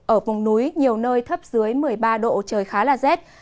ở vùng núi nhiều nơi thấp dưới một mươi ba độ trời khá là rét